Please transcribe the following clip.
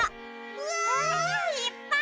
うわ！いっぱい。